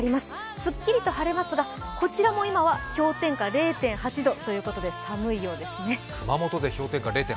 すっきりと晴れますがこちらも今は氷点下０．８度、冷えているようですね。